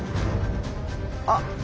あっ。